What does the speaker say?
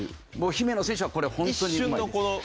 姫野選手はこれホントにうまいです。